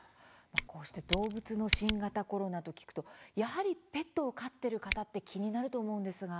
こうして動物の新型コロナと聞くとやはりペットを飼っている方って気になると思うんですが。